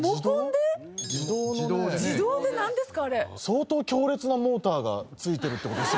相当強烈なモーターが付いてるって事ですよね。